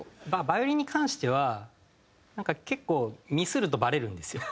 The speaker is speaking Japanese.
バイオリンに関してはなんか結構ミスるとバレるんですよ。